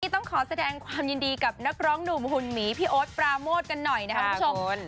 ต้องขอแสดงความยินดีกับนักร้องหนุ่มหุ่นหมีพี่โอ๊ตปราโมทกันหน่อยนะครับคุณผู้ชม